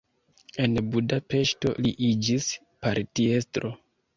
En Budapeŝto li iĝis partiestro.